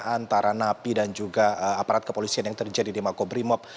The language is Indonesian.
antara napi dan juga aparat kepolisian yang terjadi di makobrimob